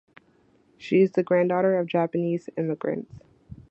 She is the granddaughter of Japanese immigrants.